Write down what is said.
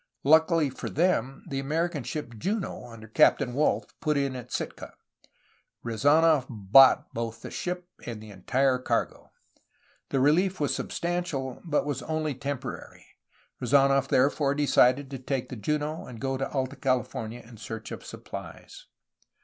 Luckily for them, the American ship Juno (Captain Wolfe) put in at Sitka. Re zdnof bought both the ship and the entire cargo. The relief was substantial, but was only temporary. Rezanof therefore decided to take the Juno and go to Alta CaHfornia in search of suppHes.